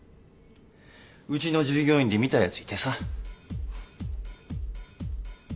ウチの従業員で見たヤツいてさ。